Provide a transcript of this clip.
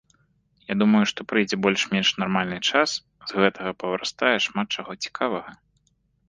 Я думаю, што прыйдзе больш-менш нармальны час, з гэтага павырастае шмат чаго цікавага.